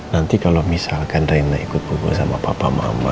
nanti kalau misalkan rena ikut berbohong sama papa mama